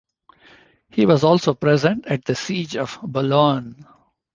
He was also present at the Siege of Boulogne.